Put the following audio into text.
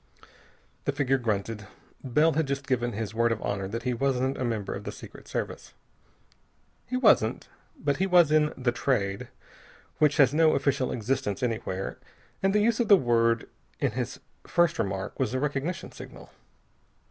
The figure grunted. Bell had just given his word of honor that he wasn't a member of the Secret Service. He wasn't. But he was in the Trade which has no official existence anywhere. And the use of the word in his first remark was a recognition signal.